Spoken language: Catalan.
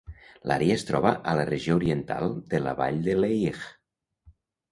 L'àrea es troba a la regió oriental de la vall de Lehigh.